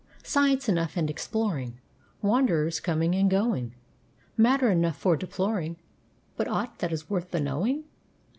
'Science enough and exploring Wanderers coming and going Matter enough for deploring But aught that is worth the knowing?'